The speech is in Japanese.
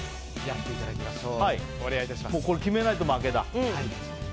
これ、決めないと負けだ。